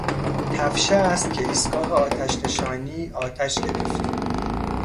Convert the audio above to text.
تفشه است که ایستگاه آتشنشانی آتش گرفت!